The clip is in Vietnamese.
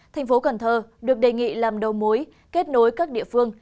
thành phố cần thơ được đề nghị làm đầu mối kết nối các địa phương